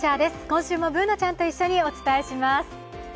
今週もＢｏｏｎａちゃんと一緒にお伝えします。